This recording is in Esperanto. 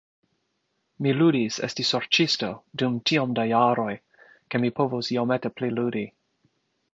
Mi ludis esti Sorĉisto dum tiom da jaroj ke mi povos iomete pli ludi.